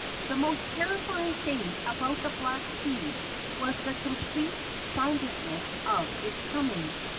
The most terrifying thing about the black steed was the complete silentness of its coming.